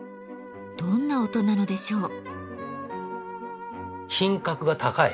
どんな音なのでしょう？